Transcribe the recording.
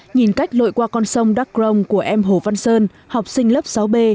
nhìn cách lội qua con sông đắc rồng của em hồ văn sơn học sinh lớp sáu b